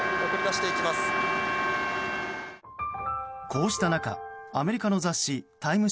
こうした中アメリカの雑誌「タイム」